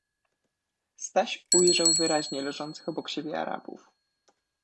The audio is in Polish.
Staś ujrzał wyraźnie leżących obok siebie Arabów.